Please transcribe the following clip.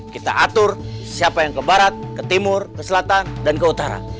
kita atur siapa yang ke barat ke timur ke selatan dan ke utara